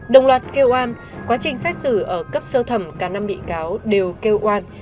đồng loạt kêu an quá trình xét xử ở cấp sơ thẩm cả năm bị cáo đều kêu oan